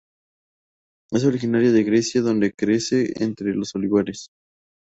Es originaria de Grecia donde crece entre los olivares.